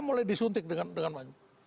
mulai disuntik dengan banyak